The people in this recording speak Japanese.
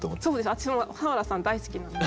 私も俵さん大好きなんで。